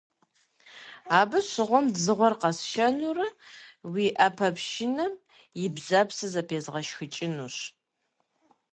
Абы щыгъуэм дзыгъуэр къэсшэнурэ, уи Ӏэпэпшынэм и бзэпсыр зэпезгъэшхыкӀынущ.